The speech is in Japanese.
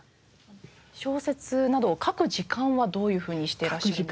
小説などを書く時間はどういうふうにしていらっしゃいますか？